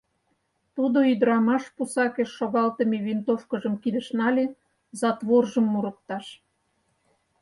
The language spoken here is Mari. Тудо ӱдырамаш пусакеш шогалтыме винтовкыжым кидыш нале, затворжым мурыкташ.